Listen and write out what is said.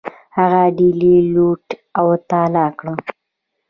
هغه ډیلي لوټ او تالا کړ.